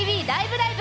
ライブ！」